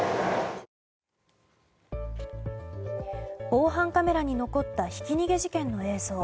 防犯カメラに残ったひき逃げ事件の映像。